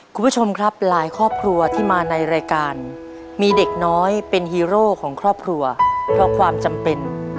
คุณผู้ชมครับหลายครอบครัวที่มาในรายการมีเด็กน้อยเป็นฮีโร่ของครอบครัวเพราะความจำเป็น